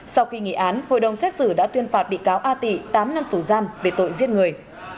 sau khi nghỉ án hội đồng xét xử đã tuyên phạt bị cáo a tị tám năm tù giam về tội giết người